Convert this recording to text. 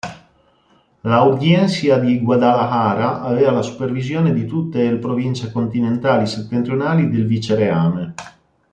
L'Audiencia di Guadalajara aveva la supervisione di tutte el province continentali settentrionali del Vicereame.